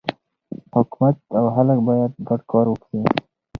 حکومت او خلک باید ګډ کار وکړي.